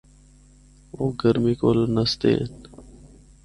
او گرمی کولو نسدے ہن۔